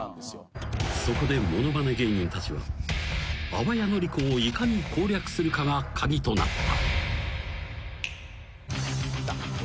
［そこでものまね芸人たちは淡谷のり子をいかに攻略するかが鍵となった］